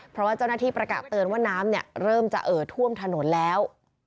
เพราะว่าเจ้าหน้าที่ประกาศเตือนว่าน้ำเริ่มจะเอ่อท่วมถนนแล้ว